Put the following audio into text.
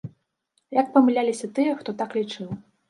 Як памыляліся тыя, хто так лічыў!